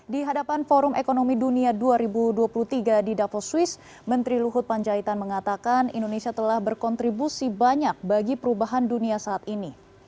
di hadapan forum ekonomi dunia dua ribu dua puluh tiga di davo swiss menteri luhut panjaitan mengatakan indonesia telah berkontribusi banyak bagi perubahan dunia saat ini